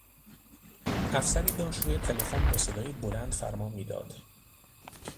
افسری داشت روی تلفن با صدای بلند فرمان میداد.